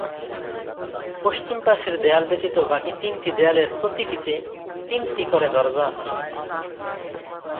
পশ্চিম পাশের দেয়াল ব্যতীত বাকী তিনটি দেয়ালের প্রতিটিতে তিনটি করে দরজা আছে।